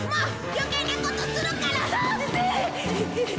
余計なことするから！だって！